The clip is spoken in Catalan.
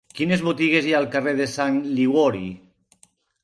Quines botigues hi ha al carrer de Sant Liguori?